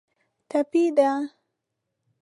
ټپي ده.